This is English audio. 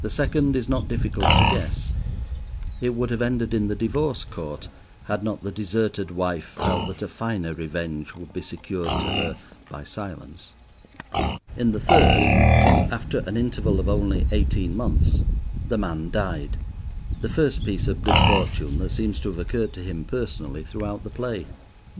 The second is not difficult to guess. It would have ended in the Divorce Court had not the deserted wife felt that a finer revenge would be secured to her by silence. In the third, after an interval of only eighteen months, the man died—the first piece of good fortune that seems to have occurred to him personally throughout the play.